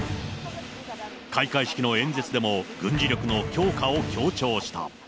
開会式の演説でも、軍事力の強化を強調した。